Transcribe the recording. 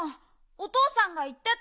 おとうさんがいってた。